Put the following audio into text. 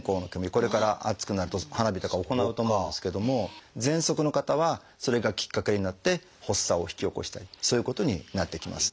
これから暑くなると花火とか行うと思うんですけどもぜんそくの方はそれがきっかけになって発作を引き起こしたりそういうことになってきます。